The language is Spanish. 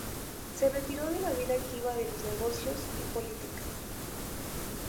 Se retiró de la vida activa de los negocios y políticas.